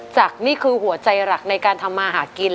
จากนี่คือหัวใจหลักในการทำมาหากิน